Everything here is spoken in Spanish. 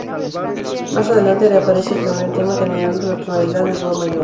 Más adelante, reaparece el primer tema, terminando en la tonalidad de Do mayor.